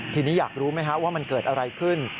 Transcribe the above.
ทีนี้อยากรู้ไหมฮะว่ามันเกิดอะไรขึ้น